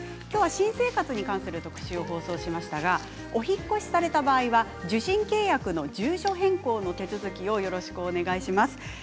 きょうは新生活に関する特集を放送しましたがお引っ越しされた場合は受信契約の住所変更の手続きをよろしくお願いします。